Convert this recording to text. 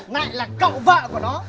này là cậu vợ của nó